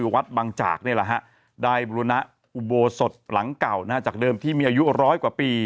วัดบังจากได้บุรณะอุโบสถหลังเก่าจากเดิมที่มีอายุร้อยกว่าปี